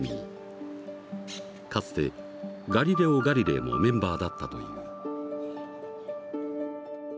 かつてガリレオ・ガリレイもメンバーだったという。